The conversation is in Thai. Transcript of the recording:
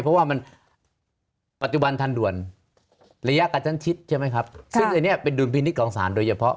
เพราะว่ามันปัจจุบันทันด่วนระยะกระชั้นชิดใช่ไหมครับซึ่งอันนี้เป็นดุลพินิษฐ์ของสารโดยเฉพาะ